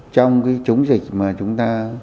trong cái chống dịch mà chúng ta